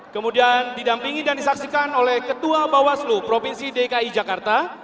kemudian didampingi dan disaksikan oleh ketua bawaslu provinsi dki jakarta